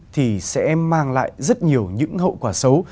thì sẽ mang lại rất nhiều những hậu quả xấu